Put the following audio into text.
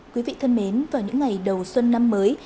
quý vị thân mến vào những ngày đầu xuân năm mới